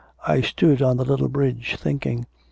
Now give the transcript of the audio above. I stood on the little bridge thinking.